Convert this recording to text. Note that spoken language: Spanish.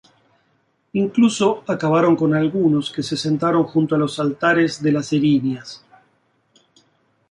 Incluso acabaron con algunos que se sentaron junto a los altares de Las Erinias.